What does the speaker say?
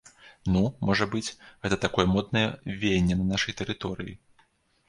Ну, можа быць, гэта такое моднае веянне на нашай тэрыторыі?!